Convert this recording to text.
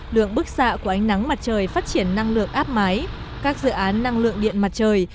lượng bức xạ của ánh nắng mặt trời phát triển năng lượng áp mái các dự án năng lượng điện mặt trời